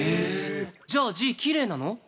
じゃあ字きれいなの？